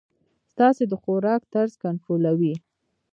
ستاسي د خوراک طرز کنټرولوی.